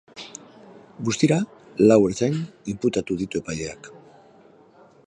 Guztira, lau ertzain inputatu ditu epaileak.